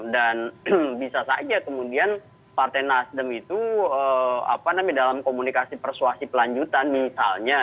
dan bisa saja kemudian partai nasdem itu dalam komunikasi persuasi pelanjutan misalnya